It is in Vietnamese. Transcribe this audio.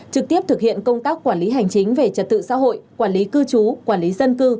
trực tiếp thực hiện công tác quản lý hành chính về trật tự xã hội quản lý cư trú quản lý dân cư